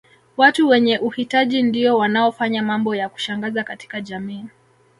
Watu wenye uhitaji ndio wanaofanya mambo ya kushangaza katika jamii